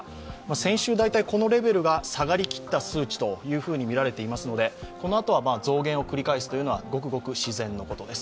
先週このレベルが下がりきった数値とみられていますのでこのあとは、増減を繰り返すというのは、ごくごく自然のことです。